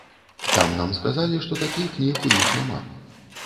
Там нам сказалі, што такіх кніг у іх няма.